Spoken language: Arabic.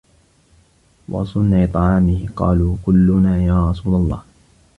وَصُنْعَ طَعَامِهِ ؟ قَالُوا كُلُّنَا يَا رَسُولَ اللَّهِ